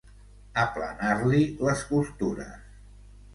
Aplanar-li les costures.